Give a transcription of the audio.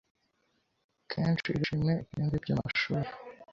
kendi ireshime ibyumbe by’emeshuri